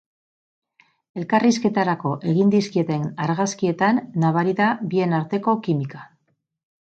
Elkarrizketarako egin dizkieten argazkietan nabari da bien arteko kimika.